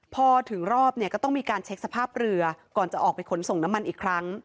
พอถึงรอบเนี่ยก็ต้องมีการเช็คสภาพเรือก่อนจะออกไปขนส่งน้ำมันอีกครั้ง